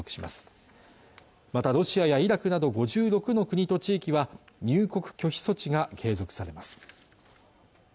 またロシアやイラクなど５６の国と地域は入国拒否措置が継続されます